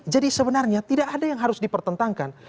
jadi sebenarnya tidak ada yang harus dipertentangkan